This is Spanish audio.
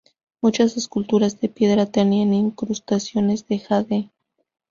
Muchas esculturas de piedra tenían incrustaciones de jade.